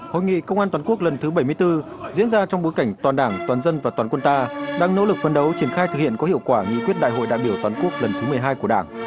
hội nghị công an toàn quốc lần thứ bảy mươi bốn diễn ra trong bối cảnh toàn đảng toàn dân và toàn quân ta đang nỗ lực phân đấu triển khai thực hiện có hiệu quả nghị quyết đại hội đại biểu toàn quốc lần thứ một mươi hai của đảng